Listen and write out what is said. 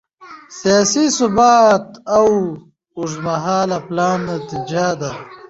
سیاسي ثبات د اوږدمهاله پلان نتیجه ده